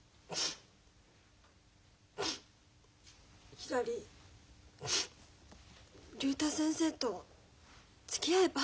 ひらり竜太先生とつきあえば？